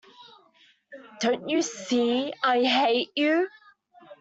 Don't you see I hate you.